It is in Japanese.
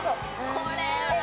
これは。